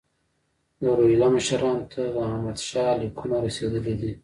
د روهیله مشرانو ته د احمدشاه لیکونه رسېدلي دي.